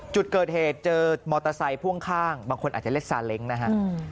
จุดเกิดเหตุเจอมอเตอร์ไซค์พ่วงข้างบางคนอาจจะเรียกซาเล้งนะฮะ